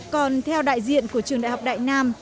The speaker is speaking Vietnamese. còn theo đại diện của trường đại học đại nam